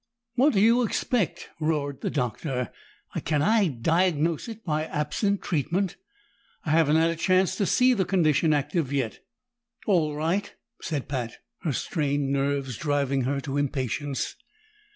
"What do you expect?" roared the Doctor. "Can I diagnose it by absent treatment? I haven't had a chance to see the condition active yet!" "All right!" said Pat, her strained nerves driving her to impatience.